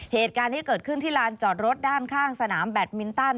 เหตุการณ์ที่เกิดขึ้นที่ลานจอดรถด้านข้างสนามแบตมินตัน